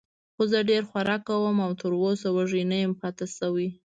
خو زه ډېر خوراک کوم او تراوسه وږی نه یم پاتې شوی.